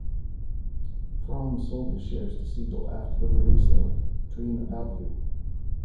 Fromm sold his shares to Segal after the release of "Dream About You".